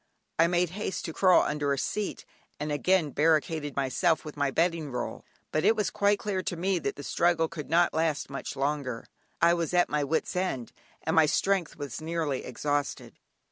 I made haste to crawl under a seat, and again barricaded myself with my bedding roll, but it was quite clear to me that the struggle could not last much longer; I was at my wit's end, and my strength was nearly exhausted.